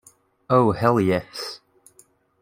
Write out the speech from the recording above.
Oh hell yes.